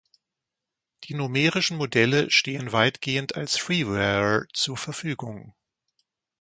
Die numerischen Modelle stehen weitgehend als Freeware zur Verfügung.